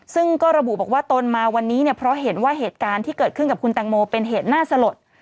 ซึ่งก็ระบุบอกว่าตนมาวันนี้เนี่ยเพราะเห็นว่าเหตุการณ์ที่เกิดขึ้นกับคุณแตงโมเป็นเหตุน่าสลด